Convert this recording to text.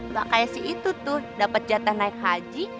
makanya si itu tuh dapet jatah naik haji